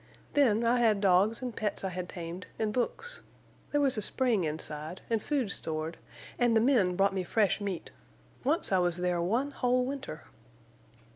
Then I had dogs and pets I had tamed, and books. There was a spring inside, and food stored, and the men brought me fresh meat. Once I was there one whole winter."